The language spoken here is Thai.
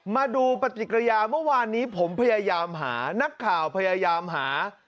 มาดูปฏิกิริยาเมื่อวานนี้ผมพยายามหานักข่าวพยายามหา